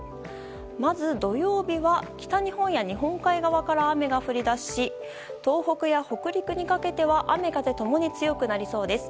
まず土曜日は北日本や日本海側から雨が降り出し東北や北陸にかけては雨風ともに強くなりそうです。